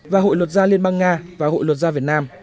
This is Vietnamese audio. và hội luật gia liên bang nga và hội luật gia việt nam